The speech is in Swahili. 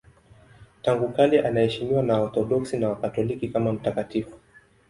Tangu kale anaheshimiwa na Waorthodoksi na Wakatoliki kama mtakatifu.